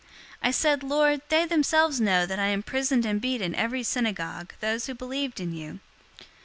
022:019 I said, 'Lord, they themselves know that I imprisoned and beat in every synagogue those who believed in you.